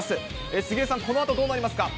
杉江さん、このあとどうなります